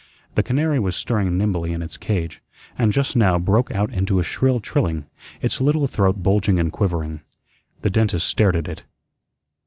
The canary was stirring nimbly in its cage, and just now broke out into a shrill trilling, its little throat bulging and quivering. The dentist stared at it.